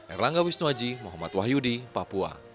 erlangga wisnuaji muhammad wahyudi papua